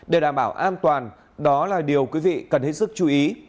để đảm bảo an toàn đó là điều quý vị cần hết sức chú ý